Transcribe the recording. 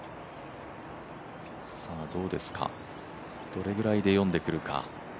どれぐらいで読んでくるか。